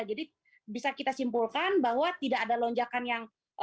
jadi bisa kita simpulkan bahwa tidak ada lonjakan yang